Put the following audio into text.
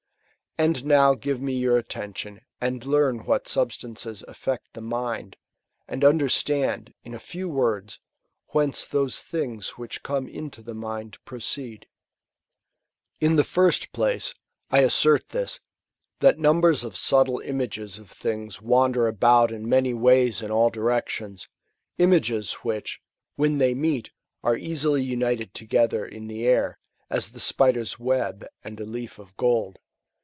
And now give me your attention, and learn what substances affect the mind ; and understand, in a few words, whence those things which come into the mind proceed. In the first place, I assert this, that numbers of subtle images of things wander about in many ways in all directions; images which, when they meet, are easily united together in the air, as the spider's web, and a leaf of gold.